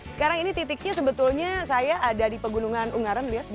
sekarang ini titiknya sebetulnya saya ada di pegunungan ungaran